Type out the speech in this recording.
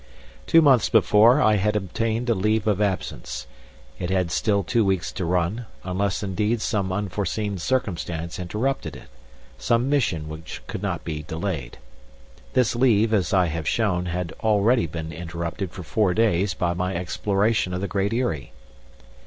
Two months before I had obtained a leave of absence. It had still two weeks to run, unless indeed some unforeseen circumstance interrupted it, some mission which could not be delayed. This leave, as I have shown, had already been interrupted for four days by my exploration of the Great Eyrie.